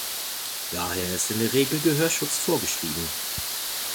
Daher ist in der Regel Gehörschutz vorgeschrieben.